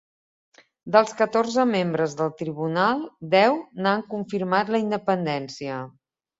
Dels catorze membres del tribunal, deu n'han confirmat la independència.